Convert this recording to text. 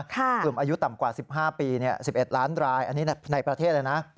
กลุ่มอายุต่ำกว่า๑๕ปี๑๑ล้านรายอันนี้ในประเทศเลยนะ